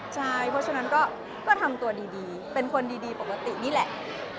ใช่เพราะฉะนั้นก็ทำตัวดีเป็นคนดีปกตินี่แหละ